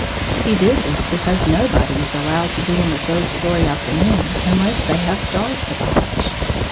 He did this because nobody is allowed to be in the third story of the moon unless they have stars to polish.